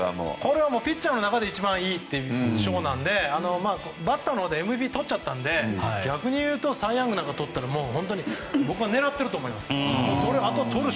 ピッチャーの中で一番いい賞なのでバッターのほうでＭＶＰをとっちゃったので逆に言うとサイ・ヤング賞僕は狙っていると思います。